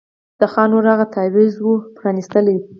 د خان ورور هغه تعویذ وو پرانیستلی